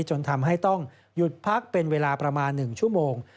จนทำให้ต้องหยุดพักเป็นเวลาประมาณ๑ชั่วโมง